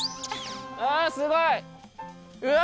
あぁすごい！うわ！